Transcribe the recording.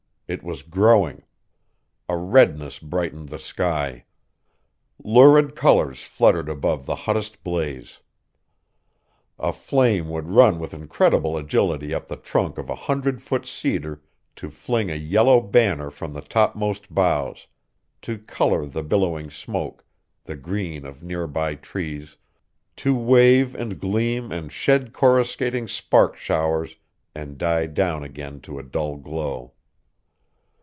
It was growing. A redness brightened the sky. Lurid colors fluttered above the hottest blaze. A flame would run with incredible agility up the trunk of a hundred foot cedar to fling a yellow banner from the topmost boughs, to color the billowing smoke, the green of nearby trees, to wave and gleam and shed coruscating spark showers and die down again to a dull glow.